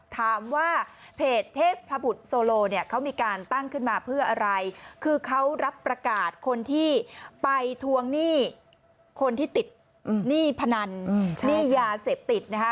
ถามว่าเพจเทพพบุตรโซโลเนี่ยเขามีการตั้งขึ้นมาเพื่ออะไรคือเขารับประกาศคนที่ไปทวงหนี้คนที่ติดหนี้พนันหนี้ยาเสพติดนะคะ